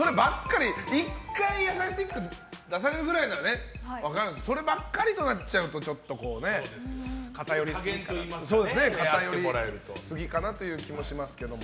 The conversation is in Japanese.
１回、野菜スティック出されるぐらいなら分かるんですけどそればかりになっちゃうと偏りすぎかなという気もしますけど。